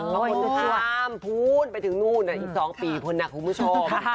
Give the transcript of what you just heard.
แล้วก็มีความพูนไปถึงนู่นอีก๒ปีคุณหนักคุณผู้ชม